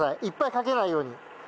いっぱいかけないように。